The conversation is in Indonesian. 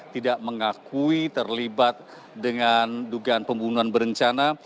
tidak mengakui terlibat dengan dugaan pembunuhan berencana